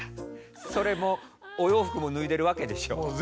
それもお洋服も脱いでるわけでしょう？